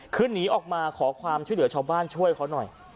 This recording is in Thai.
คือหนีออกมาขอความช่วยเหลือชาวบ้านช่วยเขาหน่อย